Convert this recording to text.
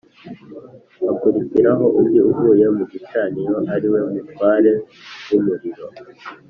Hakurikiraho undi uvuye mu gicaniro ari we mutware w’umuriro,